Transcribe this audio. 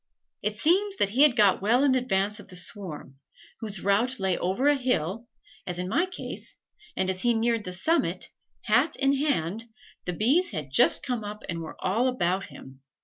It seems that he had got well in advance of the swarm, whose route lay over a hill, as in my case, and as he neared the summit, hat in hand, the bees had just come up and were all about him.